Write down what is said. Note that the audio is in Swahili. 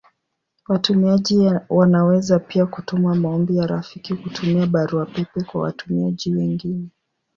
Watumiaji wanaweza pia kutuma maombi ya rafiki kutumia Barua pepe kwa watumiaji wengine.